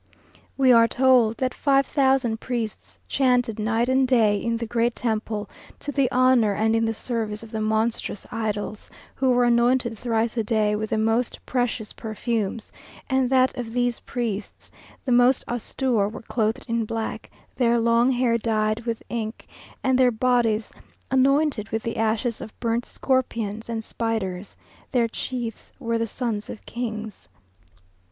We are told that five thousand priests chanted night and day in the Great Temple, to the honour and in the service of the monstrous idols, who were anointed thrice a day with the most precious perfumes; and that of these priests the most austere were clothed in black, their long hair dyed with ink, and their bodies anointed with the ashes of burnt scorpions and spiders; their chiefs were the sons of kings.